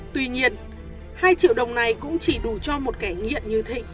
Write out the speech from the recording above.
tuy nhiên hai triệu đồng này cũng chỉ đủ cho một kẻ nghiện như thịnh